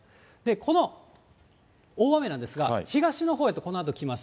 この大雨なんですが、東のほうへと、このあと来ます。